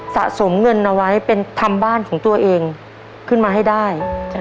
สะสมเงินเอาไว้เป็นทำบ้านของตัวเองขึ้นมาให้ได้